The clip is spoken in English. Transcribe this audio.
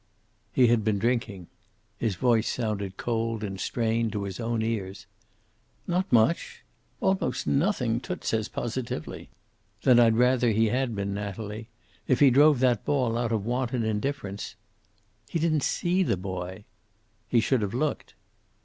"He had been drinking." His voice sounded cold and strained to his own ears. "Not much. Almost nothing, Toots says positively." "Then I'd rather he had been, Natalie. If he drove that ball out of wanton indifference " "He didn't see the boy." "He should have looked."